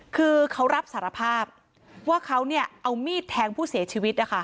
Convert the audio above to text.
คือเขารับสารภาพว่าเขาเอามีดแทงผู้เสียชีวิตนะคะ